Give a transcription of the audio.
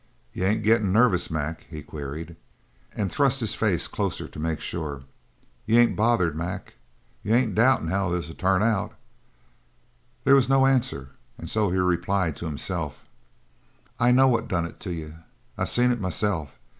"You ain't gettin' nervous, Mac?" he queried, and thrust his face closer to make sure. "You ain't bothered, Mac? You ain't doubtin' how this'll turn out?" There was no answer and so he replied to himself: "I know what done it to you. I seen it myself.